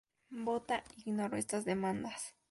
Botha ignoró estas demandas.